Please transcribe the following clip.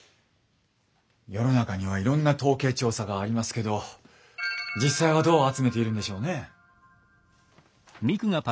世の中にはいろんな統計調査がありますけど実際はどう集めているんでしょうね？